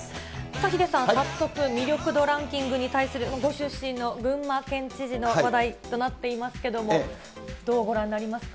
ヒデさん、早速、魅力度ランキングに対するご出身の群馬県知事の話題となっていますけれども、どうご覧になりますか。